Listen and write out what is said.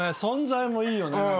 存在もいいよね。